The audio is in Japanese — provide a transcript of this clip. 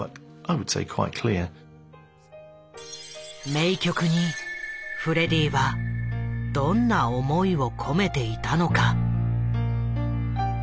名曲にフレディはどんな思いを込めていたのか。